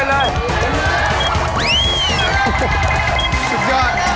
เร็วค่อยเดินค่อย